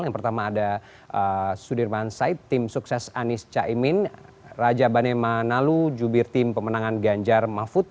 yang pertama ada sudirman said tim sukses anies caimin raja banema nalu jubir tim pemenangan ganjar mahfud